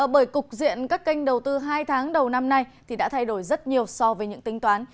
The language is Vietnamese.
bởi cục diện các kênh đầu tư hai tháng đầu năm nay thì đã thay đổi rất nhiều so với những tính toán